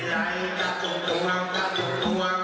ตันตรงนี้หว่างธาตุหัว